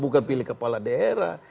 bukan pilih kepala daerah